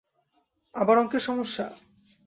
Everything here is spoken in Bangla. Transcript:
আবার অংকের সমস্যা?